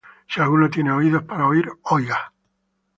Si alguno tiene oídos para oir, oiga.